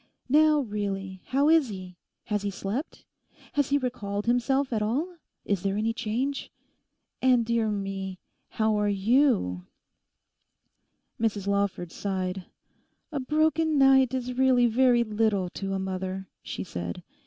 Now really, how is he? has he slept? has he recalled himself at all? is there any change?—and, dear me, how are you?' Mrs Lawford sighed. 'A broken night is really very little to a mother,' she said.